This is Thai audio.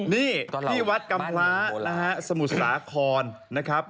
นี่ที่วัดกรรมภาคสมุสราคอนนะครับ